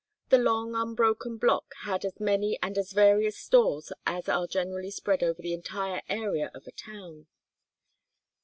The long unbroken block had as many and as various stores as are generally spread over the entire area of a town.